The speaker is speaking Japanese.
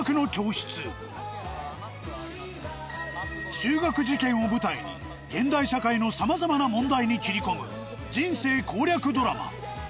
中学受験を舞台に現代社会のさまざまな問題に斬り込む人生攻略ドラマ